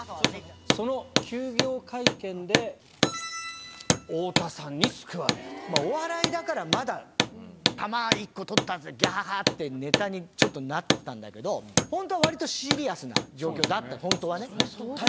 その休業会見で、太田さんにお笑いだからまだ、玉１個取ったって、ぎゃははってネタにちょっとなったんだけど、本当はわりとシリアスな状況だった、本当はね。